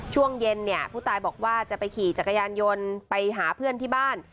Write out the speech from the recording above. ช่วงเย็นเนี่ยผู้ตายบอกว่าจะไปขี่จักรยานยนต์ไปหาเพื่อนที่บ้าน